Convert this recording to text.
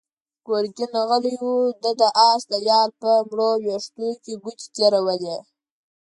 ګرګين غلی و، ده د آس د يال په مړو وېښتو کې ګوتې تېرولې.